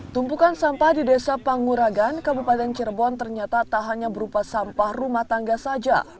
tumpukan sampah di desa panguragan kabupaten cirebon ternyata tak hanya berupa sampah rumah tangga saja